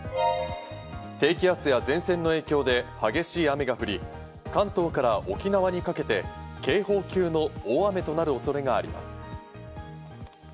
低気圧や前線の影響で激しい雨が降り、関東から沖縄にかけて警報級の大雨となる恐れがあります。